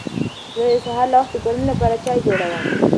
زه د سهار له وخته د کورنۍ لپاره چای جوړوم